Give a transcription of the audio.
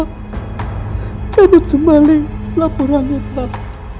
kalau kamu mengganti semua kerugian perusahaan yang sudah kamu ambil